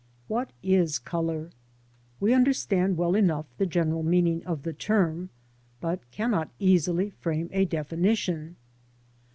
WHAT is Colour? We understand well enough the general meaning of the term, but cannot easily frame a defini tion.